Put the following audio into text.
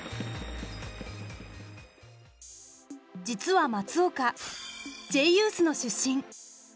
実は松岡Ｊユースの出身。